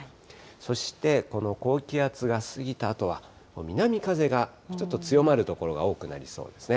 そしてこの高気圧が過ぎたあとは南風がちょっと強まる所が多くなりそうですね。